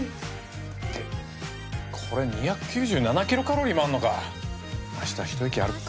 ゲッこれ２９７キロカロリーもあるのか明日１駅歩くか。